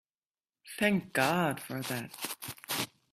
Thank God for that!